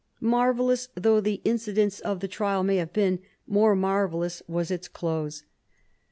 Marvellous though the incidents of the trial may have been, more marvellous was its close.